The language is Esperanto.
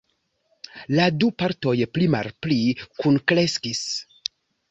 La du partoj pli-malpli kunkreskis.